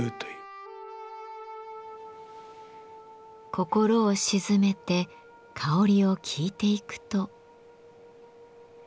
心を静めて香りを聞いていくと。